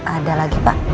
ada lagi pak